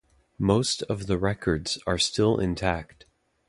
Most of the records are still intact.